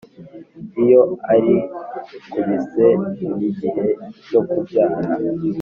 iyo ari ku bise n igihe cyo kubyara